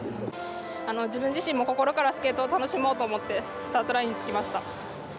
自分自身も心からスケートを楽しもうと思ってスタートラインに着きました。